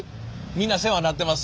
みんな世話になってます。